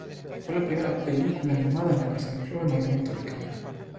Fue la primera película animada en la que se empleó el movimiento de cámara.